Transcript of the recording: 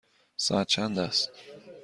ساعت چند است؟